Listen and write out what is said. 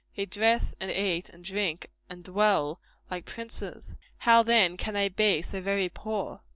They dress, and eat, and drink, and dwell like princes. How, then, can they be so very poor?